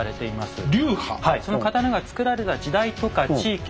はいその刀が作られた時代とか地域